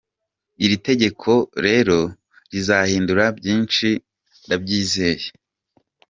Iri tegeko rero rizahindura byinshi ndabyizeye.